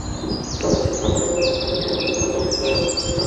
কুয়াকাটা সমুদ্রসৈকত বরাবর সাত-আট কিলোমিটার দূরের লেবুর চরে রওনা হয়ে গেল সবাই।